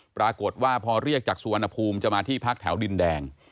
ปรากฏว่าพอเรียกจากสุวรรณภูมิจะมาที่พักแถวดินแดง